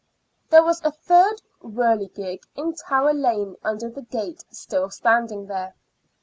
There was a third whirligig in Tower Lane under the gate still standing there.